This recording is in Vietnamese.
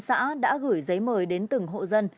xã đã gửi giấy mời đến từng hộ dân